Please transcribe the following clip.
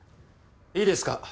いいですか。